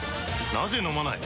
なぜ飲まない？